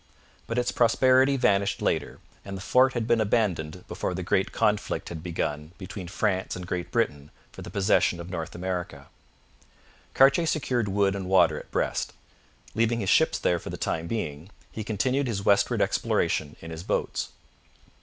But its prosperity vanished later, and the fort had been abandoned before the great conflict had begun between France and Great Britain for the possession of North America. Cartier secured wood and water at Brest. Leaving his ships there for the time being, he continued his westward exploration in his boats.